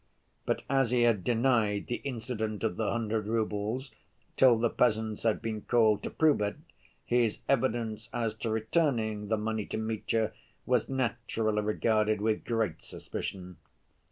But, as he had denied the incident of the hundred roubles till the peasants had been called to prove it, his evidence as to returning the money to Mitya was naturally regarded with great suspicion.